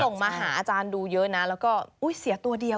บางคนส่งมาหาอาจารย์ดูเยอะนะแล้วก็เสียตัวเดียว